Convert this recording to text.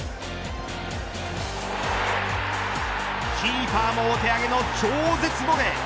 キーパーもお手上げの超絶ボール